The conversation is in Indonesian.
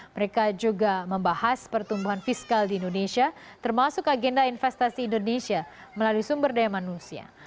mereka juga membahas pertumbuhan fiskal di indonesia termasuk agenda investasi indonesia melalui sumber daya manusia